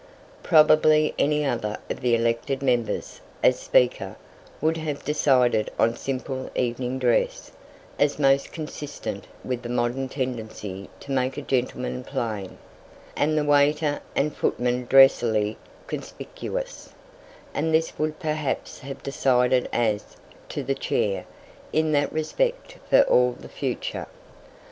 Probably any other of the elected members, as Speaker, would have decided on simple evening dress, as most consistent with the modern tendency to make a gentleman plain, and the waiter and footman dressily conspicuous; and this would perhaps have decided as to "the Chair" in that respect for all the future.